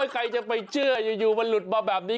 ใครจะไปเชื่ออยู่มันหลุดมาแบบนี้